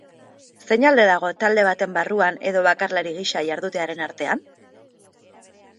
Zein alde dago talde baten barruan edo bakarlari gisa jardutearen artean?